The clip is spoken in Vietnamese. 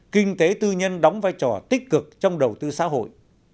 kinh tế tư nhân đóng vai trò tích cực trong đầu tư xã hội